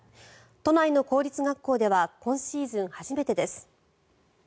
都内の公立学校では今シーズン初めてです。